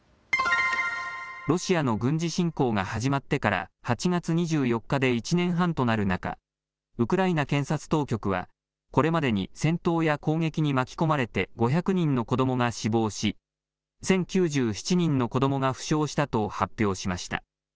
ロシアの軍事侵攻が始まってから８月２４日で１年半となる中、ウクライナ検察当局はこれまでに戦闘や攻撃に巻き込まれて５００人の子どもが死亡し１０９７人の子どもが負傷したと発表しました。